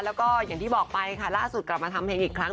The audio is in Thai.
แล้วก็อย่างที่บอกไปค่ะล่าสุดกลับมาทำเพลงอีกครั้ง